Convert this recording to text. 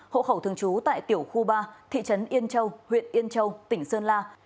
hộ khẩu thường trú tại tiểu khu ba thị trấn yên châu huyện yên châu tỉnh sơn la